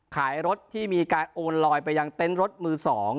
รถที่มีการโอนลอยไปยังเต็นต์รถมือ๒